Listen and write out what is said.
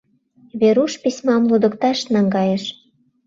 Веруш письмам лудыкташ наҥгайыш.